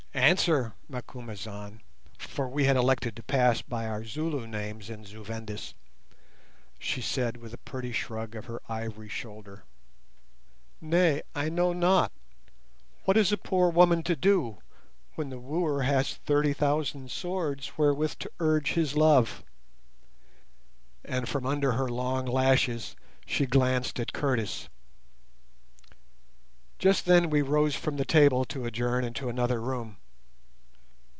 "Answer, Macumazahn" (for we had elected to pass by our Zulu names in Zu Vendis), she said, with a pretty shrug of her ivory shoulder. "Nay, I know not; what is a poor woman to do, when the wooer has thirty thousand swords wherewith to urge his love?" And from under her long lashes she glanced at Curtis. Just then we rose from the table to adjourn into another room.